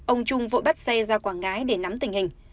ông trung vội bắt xe ra quảng ngãi để nắm tình hình